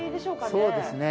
そうですね。